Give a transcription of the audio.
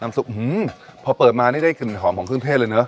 ซุปพอเปิดมานี่ได้กลิ่นหอมของเครื่องเทศเลยเนอ